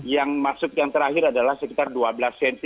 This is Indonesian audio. yang masuk yang terakhir adalah sekitar dua belas cm